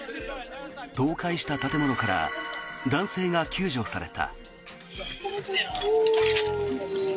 倒壊した建物から男性が救助された。